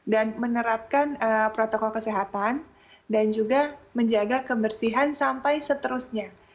menerapkan protokol kesehatan dan juga menjaga kebersihan sampai seterusnya